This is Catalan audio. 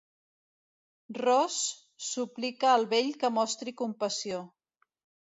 Ross suplica el vell que mostri compassió.